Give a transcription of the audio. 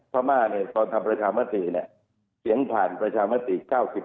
ภามาร์เนี่ยตอนทำประชามาตรีเนี่ยเสียงผ่านประชามาตรี๙๐๙๐